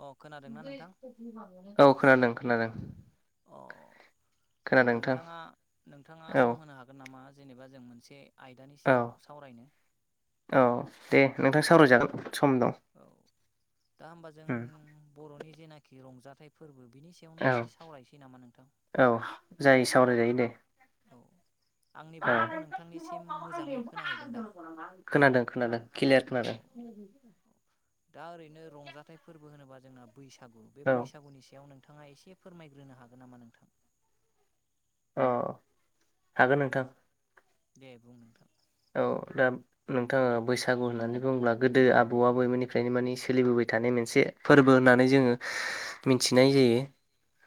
अ खोनादोंना नोंथां औ खोनादों खोनादों। खोनादों अ नोंथां नोंथाङा नोंथाङा औ सम होनो हागोन नामा? जेनेबा जों मोनसे आयदानि औ सायाव सावरायनो औ दे नोंथां सावरायजागोन। सम दं औ दा हबा जों उम बर'नि जेनाखि रंजाथाइ फोरबो बिनि सायावनो औ एसे सावरायनोसै नामा नोंथां? औ जायो सावरायजायो दे। औ आंनि औ बुंनायखौ नोंथांनिसिम मोजाङै खोनाहैदों दा खोनादों खोनादों क्लियार औ खोनादों। [inaudible] दा ओरैनो रंजाथाइ फोरबो होनोबा जोंना बैसागु बे औ बैसागुनि सायाव नों थाङा एसे फोरमायग्रोनो हागोन नामा नोंथां? अ हागोन नोंथां। दे बुं नोंथां। औ दा नोंथाङा बैसागु होननानै बुङोब्ला गोदो आबौ आबैनिफ्रायनो माने सोलिबोबाय थानाय मोनसे फोरबो होननानै जोङो मिथिनाय जायो‌।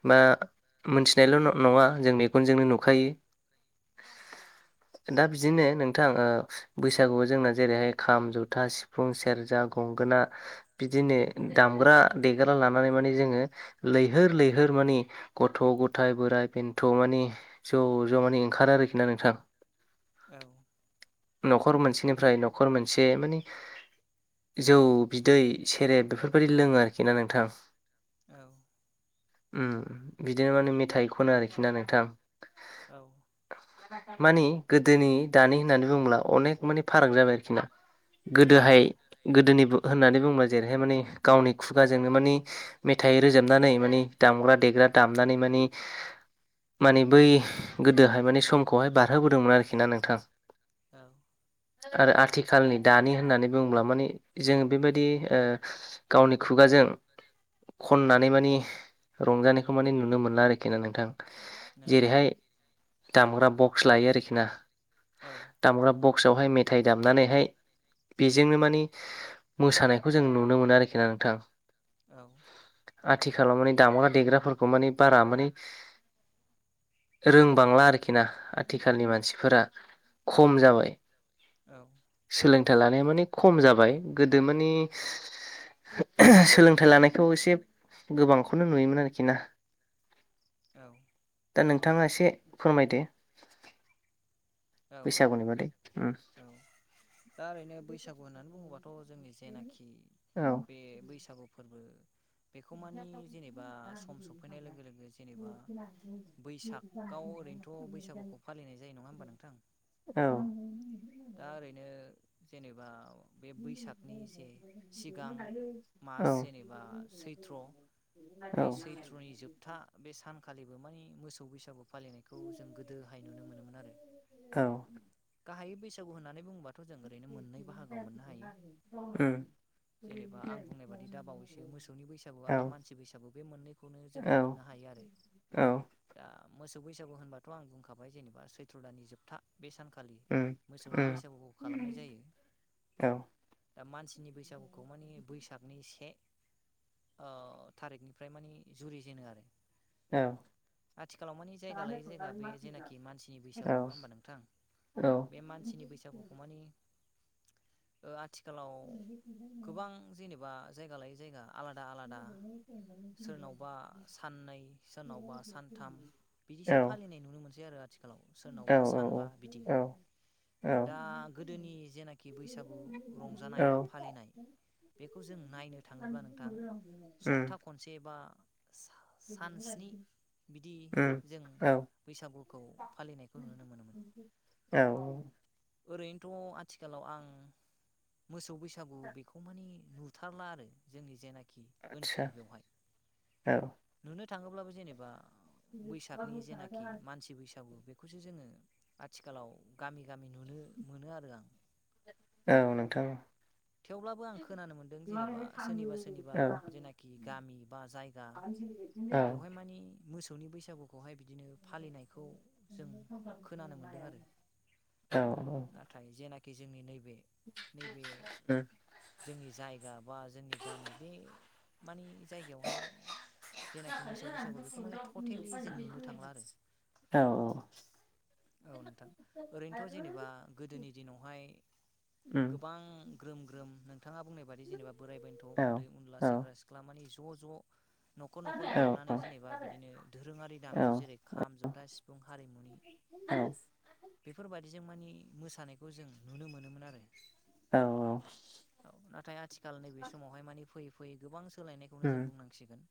बा मोनथिनायल' नङा जों मेगनजोंनो नुखायो दा बिदिनो नों थां बैसागुआव जोंना जेरैहाय खाम जथा सिफुं सेरजा गंगोना बिदि बिदिनो दामग्रा देग्रा लानानै माने जोङो लैहोर लैहोर माने गथ' ग थाय बोराइ बेन्थ' मानि ज' ज' माने ओंखारो आरोखि ना नोंथां। औ न'खर मोनसेनिफ्राय न'खर मोनसे माने जौ बिदै सेरेब बेफोरबायदि लोङो आरोखि ना नोंथां। औ उम बिदिनो माने मेथाइ खनो आरोखि ना नोंथां। औ मानि गोदोनि दानि होननानै बुङोब्ला अनेक मानि फाराग जाबाय आरोखि ना। औ गोदोहाय गोदोनिबो होननानै बुंबाय जेरैहाय माने गावनि खुगाजोंनो मानिे मेथाइ रोजाबनानै मानिे दामग्रा देग्रा दामदनानै मानि माने बै गोदोहाय माने समखौहाय बारहोबोदोंमोन आरोखि ना नोंथां। औ ‌ आरो आथिखालनि दानि होननानै बुङोब्ला माने जोंङो बेबायदि गावनि खुगाजों खननानै मानि रंजानायखौ मानिे नुनो मोना आरोखि ना नोंथां नंगौ जेरैहाय दामग्रा बक्स लायो आरोखि ना औ दामग्रा बक्स बक्सआवहाय मेथाइ दामनानैहाय बेजोंनो मानि मोसानायखौ जों नुनो मोनो आरोखि ना नोंथां औ आथिखालाव माने दामग्रा देग्राफोरखौ माने बारा माने रोंबांला आरोखि ना आथिखालनि मानसिफोरा खम जाबाय औ था लानाया म खम जाबाय गोदो मानि सोलोंथाइ लानायखौ एसे गोबांखौनो नुयोमोन आरोखि ना औ दा नोंथाङा एसे फोरमायदो। औ औ बैसागुनि बादै उम औ दा ओरैनो बैसागु होननानै बुङोबाथ' जोंनि जेनाखि औ बे बैसागु फोरबो बेखौ मानि जेनेबा सम सफैनाय लोगो लोगो जेनेबा बैसागाव ओरैनोथ' बैसागुखौ फालिनाय जायो नङा होमबा नोंथां? औ दा ओरैनो जेनेबा बे बैसागनि जे सिगां मास औ जेनेबा सैथ्र' बे सैथ्रनि जोबथा बे सानखालिबो मानि मोसौ बैसागु फालिनायखौ जों गोदोहाय नुनो मोनोमोन आरो। औ। बाहायै बैसागु होननानै बुंब उम जेनेबा आं बुंनाय बादि दा बावैसो मोसौनि बैसागु औ आरो मानसि बैसागु बे मोननैखौनो जों औ मोननो हायो। बे आरो। औ। दा मोसौ बैसागु होनबाथ' आं बुंखाबाय जेनेबा सैथ्र' दानि जोबथा बे सानखालि उम मोसौनि उम बैसागुखौ खालामनाय जायो। औ दा मानसिनि बैसागुखौ मानिे बैसागनि से थारिखनिफ्राय मानि जुरि जेनो आरो। औ आथिखालाव मानिे जायगा लायै जायगा बे जेनाखि मानसिनि बैस बसाग नङा हबा नोंथां औ बे मानसिनि बैसागुखौ मानि आथिखाल आथिखालाव गोबां जेनेबा जायगा लायै जायगा आलादा आलादा सोरनावबा साननै सोरनावबा सानथाम बिदिसो फालिनाय नुनो मोनसै आरो आथिखालाव औ सोरनावबा सानबा बिदि औ औ दा गोदोनि जेनाखि बैसागु रंजानाय बा फालिनाय बेखौ जों नायनो थाङोब्ला नों उम सप्ता खनसे बा सा सान सिनि बिदि उम जों औ बैसागुखौ फालिनायखौ नुनो मोनोमोन औ। ओरैनोथ' आथिखालाव आं मोसौ बैसागु बेखौ मानि नुथारला आरो जोंनि जेनाखि आदसा ओनसोल बेवहाय औ नु थाङोब्लाबो जेनेबा बैसागनि जेनाखि मानसि बैसागु बेखौसो जोङो आथिखालाव गामि गामि नुनो मोनो आरो आं औ नोंथां। थेवब्लाबो आं खोनानो मोनदों औ जेनेबा सोरनिबा औ सोरनिबा जेनाखि गामि बा जायगा औ। बेवहाय मानि मोसौनि बैसागुखौ खोनानो मोनदों आरो औ औ। कि जोंनि नैबे नैबे जोंनि जायगा बा जोंनि गामि बे मानि जायगायावहाय जेनाखि मोसौ बैसागु बेखौ माने टटेलि जों नुनो थांला आरो औ औ औ नोंथां ओरैनोथ' जेनेबा गोदोनि दिनावहाय उम गोबां ग्रोम ग्रोम नोंथाङा बुंनाय बादि जेनेबा बोराइ बेन्थ' औ उन्दै उनला औ सेंग्रा सिख्ला मानि ज' ज' न'खर न'खर औ हाबनानै औ जेनेबा बिदिनो धोरोंङारि दामजु जेरै खाम जथा सिफुं हारिमुनि उम बेफोर बायादिजों माने मोसानायखौ जों नुनो मोनोमोन आरो। औ नाथाय आथिखाल नैबे समावहाय माने फैयै फैयै गोबां सोलायनायखौनो जों बुंनांसिगोन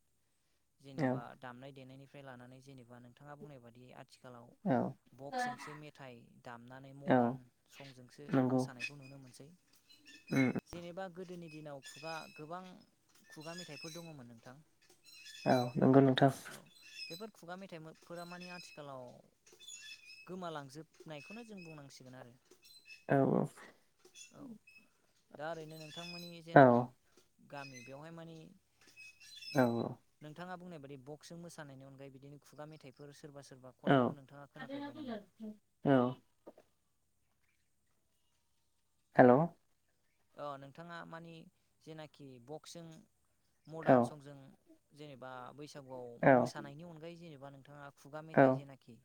औ जेनेबा दामनाय देनायनिफ्राय लानानै जेनेबा नोंथाङा बुंनाय बादि आथिखालाव औ बक्सजोंसो मेथाइ दामनानै मदारन संजोंसो नंगौ मोसानायखौ नुनो मोनसै। उम जेनेबा गोदोनि दिनाव खुगा गोबां खुगा मेथाइफोर दङमोन नोंथां? औ नंगौ नोंथां। औ बेफोर खुगा मेथाइफोरा मानि आथिखालाव गोमालांजोबनायखौनो जों बुंनांसिगोन आरो। औ औ। औ दा ओरैनो नोंथांमोननि औ जेनाखि गामि बेवहाय मानि नोंथाङा बुंनाय बेदि बक्सजों मोसानायनि अनगायै बिदिनो खुगा मेथाइफोर सोरबा सोरबा औ खननायखौ नोंथाङा खोनाफेरबाय नामा? औ हेलौ अ नोंथाङा मानि जेनाखि बक्सजों औ मडार्न संजों जेनेबा बैसागुआव मोसानायनि अनगायै जेनेबा नोंथाङा खुगा मेथाइ जेनाखि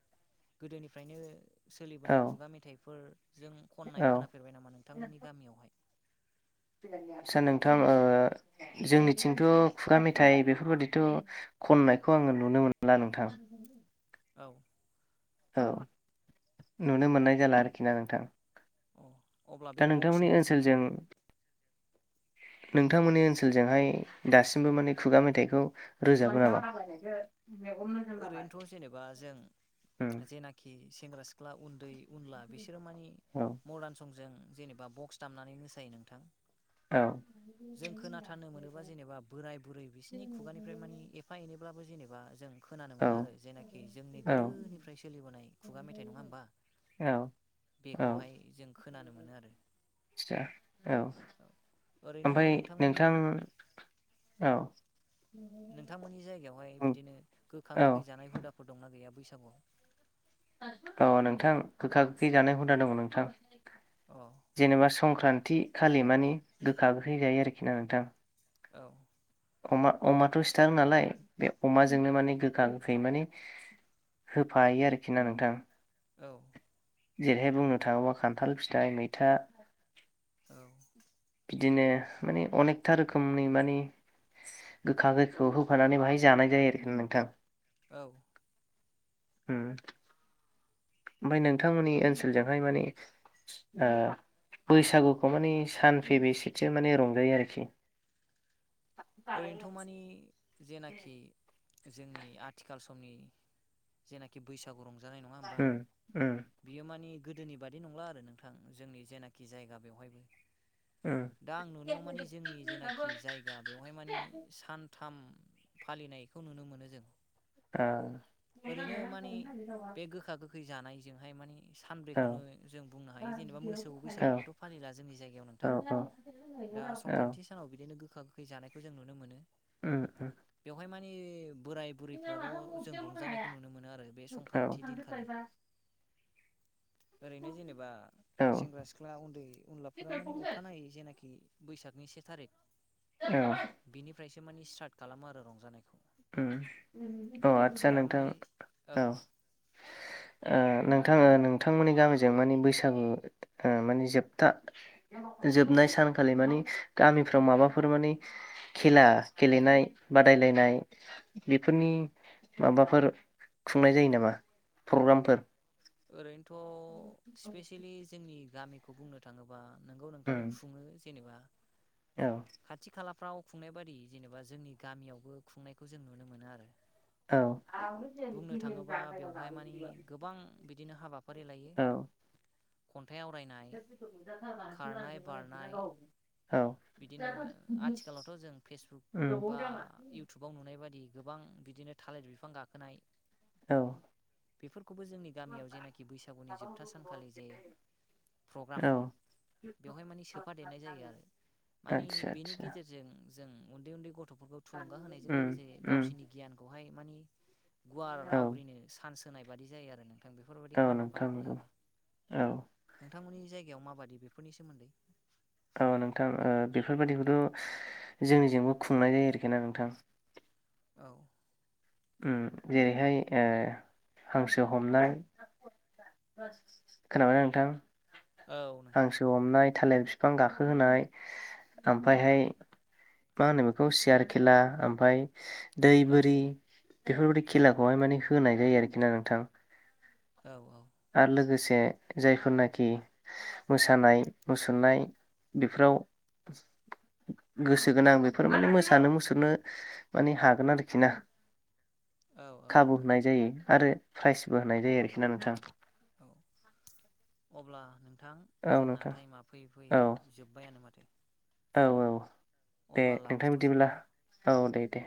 गोदोनिफ्रायनो औ सोलिबोनाय खुगा मेथाइफोर जों खननाय औ खोनाफेरबाय नामा नोंथांमोननि गामियावहाय आदचा नोंथां जोंनिथिंथ' खुगा मेथाइ बेफोरबादिथ' खननायखौ आङो नुनो मोनला नोंथां औ औ नुनो मोननाय जाला आरोखि ना नोंथां औ दा नोंथांमोननि ओनसोलजों [inaudible] नोंथांमोननि ओनसोलजोंहाय दासिमबो माने खुगा मेथाइखौ रोजाबो नामा ओरैनोथ' जेनेबा उम जों जेनाखि सेंग्रा सिख ख्ला उन्दै उनला बिसोरो मानि औ मदार्न संजों जेनेबा बक्स दामनानै मोसायो नोंथां औ जों खोनाथारनो मोनोबा जेनेबा बोराय बुरै बिसोरनि खुगानिफ्राय मानि एफा एनैब्लाबो जेने बा जों खोनानो औ मोनो आरो जेनाखि जोंनि औ गोदोनिफ्राय सोलिबोनाय खुगा मेथाइ नोङा होमबा औ औ बेखौहाय जों खोनानो मोनो आरो आदसा औ औ ओरैनो ओमफ्राय नोंथांमोननि नोंथां औ नोंथांमोननि जायगायावहाय बिदिनो गोखा औ गोखै जानाय हुदाफोर दंना गैया बैसागुआव औ नोंथां गोखा गोखै जानाय हुदा दङ नोंथां औ जेनेबा संक्रान्ति खालि मानि गोखा गोखै जायो आरोखि ना नोंथां औ अमा अमाथ' सिथारो नालाय बे अमाजोंनो माने गोखा गोखै माने होफायो आरोखि ना नोंथां औ जेरैहाय बुंनो थाङोबा खान्थाल फिथाइ मैथा औ बिदिनो माने अनेकथा रोखोमनि मानि गोखा-गोखैआव होफानानै बाहायजानाय जायो आरो नोंथां औ ओम ओमफ्राय नोंथांमोननि ओनसोलजोंहाय माने बैसागुखौ माने सानफै बेसेसो माने रंजायो आरोखि ओरैनोथ' मानि जेनाखि जोंनि आथिखाल समनि जेनाखि बैसागु रंज जानाय नङा होनबा उम उम बियो मानि गोदोनि बादि नंला आरो नोंथां जोंनि जेनाखि जायगा बेवहायबो उम दा आं नुनायाव मानि जोंनि जेनाखि जायगा बेवहाय मानि सानथाम फालिनायखौ नुनो मोनो जों औ ओरैनो मानि बे गोखा गोखै जानायजोंहाय मानि औ सानब्रैखौनो जों बुंनो हायो जेनेबा मोसौ बैसागुखौथ' फालिला जोंनि जायगायाव औ नोंथां दा औ औ संक्रान्ति सानाव बिदिनो गोखा-गोखै जानायखौ जों नुनो मोनो ओ ओ [unintelligible] बोराय बुरैफ्राल' जों रंजानायखौ नुनो मोनो आरो बे औ संक्रान्ति दिनखालि [inaudible] ओरैनो जेनेबा औ सेंग्रा सिख्ला उन्दै उनलाफोरा माने अखानायै जेनाखि बैसागनि से थारिख औ बिनिफ्रायसो माने स्टार्ट खालामो आरो रंजानाय ओं अ आटसा नोंथां माने औ ओ नों थां नोंथांमोननि गामिजों माने बैसागु माने जोबथा जोबनाय सान खालि मानि गामिफ्राव माबाफोर मानि खेला गेलेनाय बादायलायनाय बेफोरनि माबाफोर खुंनाय जायो नामा प्रग्रामफोर ओरैनोथ' स्पेसियेलि जोंनि गामिखौ बुंनो थाङोबा नोंगौ नोंथां उम खुङो जेनेबा औ खाथि खालाफ्राव खुंनाय बादि जेनेबा जोंनि गामियावबो खुंनायखौ जों नुनो मोनो आरो औ बुंनो थाङोबा बेवहाय मानि [inaudible] गोबां बिदिनो हाबाफारि लायो औ खन्थाइ आवरायनाय, खारनाय, बारनाय औ बिदिनो आथिखालावथ' जों फेसबुक उम बा इउटुबाव नुनाय बादि गोबां बिदिनो थालिर बिफां गाखोनाय औ बेफोरखौबो जोंनि गामियाव जेनाखि बैसागुनि जोबथा सानखालि जे प्रग्राम औ बेवहाय मानि सोफा देरनाय जायो आरो मानि आदसा बेनि आदसा गेजेरजों जों उन्दै उन्दै गथ'फोरखौ थुलुंगा होनायजों उम लोगोसे उम गावसोरनि गियानखौ बेहाय मानि गुवार औ आवग्रिनो सान्स होनाय बादि जायो आरो नों औ नोंथां नंगौ औ नोंथांमोननि जायगायाव माबादि बेफोरनि सोमोन्दै? औ नोंथां ओ बेफोरबायादिखौथ' जोंनिजोंबो खुंनाय जायो आरोखि ना नोंथां औ उम जेरैहाय ओ हांसो हमनाय खोनाबाय नोंथां? औ नोंथां हांसो हमनाय थालिर बिफां गाखहोनाय उम ओमफ्रायहाय मा होनो बेखौ सियार खेला ओमफाय दै औ बोरि बेफोरबायादि खेलाखौहाय माने होनाय जायो आरोखि ना नोंथां औ औ आरो लोगोसे जायफोरनाखि मोसानाय मुसुरनाय बेफोराव गोसो गोनां बेफोर माने मोसानो मुसुरनो माने हागोन आरोखि ना औ औ खाबु नोंथां होनाय जायो आरो प्राइजबो होनाय जायो आरोखि ना नोंथां औ अब्ला नोंथां औ जोंना नोंथां टाइमा फैयै औ फैयै जोब्बायानो माथो औ औ दे अब्ला नोंथां लाखिथ'सै बिदिब्ला नामा औ दे दे